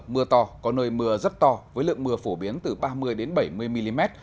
mưa to có nơi mưa rất to với lượng mưa phổ biến từ ba mươi bảy mươi mm